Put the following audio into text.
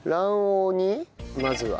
まずは。